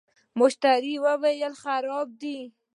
مستري وویل خراب دی.